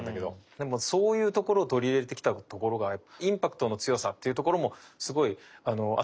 でもそういうところを取り入れてきたところがインパクトの強さっていうところもすごい新しいポイントになるのかなと思うので。